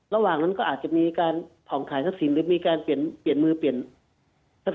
ระหว่างนั้นก็อาจจะมีการผ่องถ่ายทรัพย์สินหรือมีการเปลี่ยนมือเปลี่ยนทรัพย์สินไป